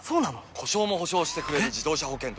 故障も補償してくれる自動車保険といえば？